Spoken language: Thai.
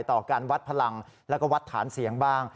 ต่อการวัดพลังแล้วก็วัดฐานเสียงบ้าง